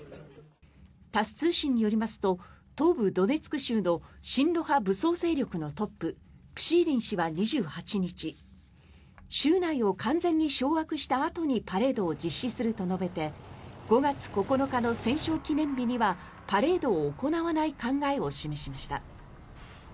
タス通信によりますと東部ドネツク州の親ロ派武装勢力のトッププシーリン氏は２８日州内を完全に掌握したあとにパレードを実施すると述べて５月９日の戦勝記念日にはパレードを行わない考えを示しました。